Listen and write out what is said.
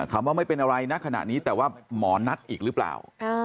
คำว่าไม่เป็นอะไรนะขณะนี้แต่ว่าหมอนัดอีกหรือเปล่า